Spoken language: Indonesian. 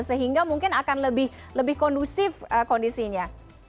sehingga mungkin akan lebih lebih kondusif eee kondisinya